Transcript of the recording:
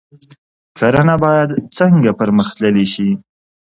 کرنه باید څنګه پرمختللې شي؟